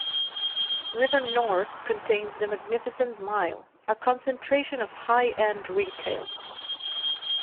River North contains the Magnificent Mile, a concentration of high-end retail.